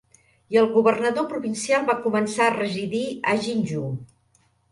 I el governador provincial va començar a residir a Jinju.